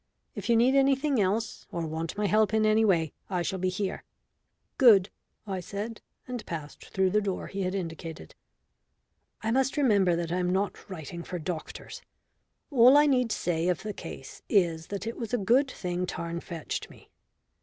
If you need anything else, or want my help in any way, I shall be here." "Good," I said, and passed through the door he had indicated. I must remember that I am not writing for doctors. All I need say of the case is that it was a good thing Tarn fetched me.